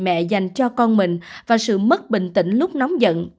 mẹ dành cho con mình và sự mất bình tĩnh lúc nóng giận